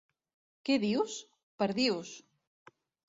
Què dius? —Perdius!